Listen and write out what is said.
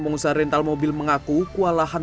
jelang lebaran jasa sewap kering